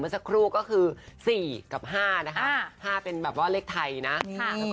เมื่อสักครู่ก็คือสี่กับห้านะฮะห้าเป็นแบบว่าเลขไทยน่ะค่ะ